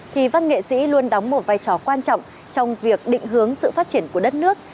thì văn nghệ sĩ luôn đóng một vai trò quan trọng trong việc định hướng sự phát triển của đất nước